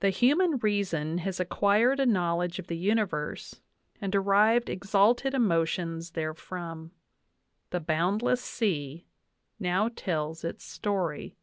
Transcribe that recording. "The human reason has acquired a knowledge of the universe dnd derived exalted emotions therefrom. The boundless sea now tells its story.